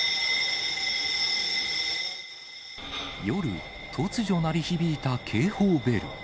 夜、突如鳴り響いた警報ベル。